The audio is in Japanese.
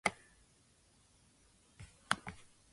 桜内梨子